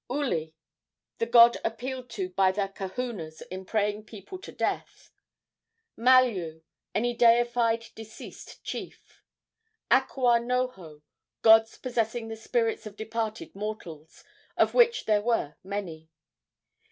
Ouli, the god appealed to by the kahunas in praying people to death. Maliu, any deified deceased chief. Akua noho, gods possessing the spirits of departed mortals, of which there were many.